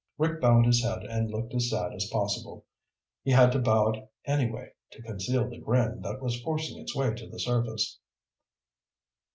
Rick bowed his head and looked as sad as possible. He had to bow it anyway, to conceal the grin that was forcing its way to the surface.